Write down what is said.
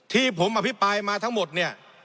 ที่ผมอภิปรายมาทั้งหมดเนี่ย